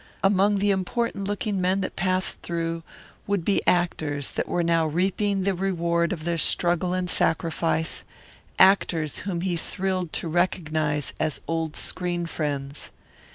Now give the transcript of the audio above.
Among the important looking men that passed through would be actors that were now reaping the reward of their struggle and sacrifice; actors whom he thrilled to recognize as old screen friends.